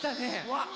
わっ！